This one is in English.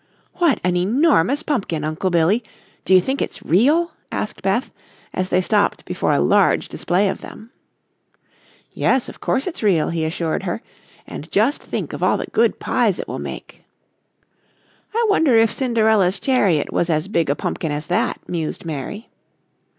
"What an enormous pumpkin, Uncle Billy. Do you think it's real?" asked Beth, as they stopped before a large display of them. "Yes, of course it's real," he assured her, "and just think of all the good pies it will make." "I wonder if Cinderella's chariot was as big a pumpkin as that," mused Mary.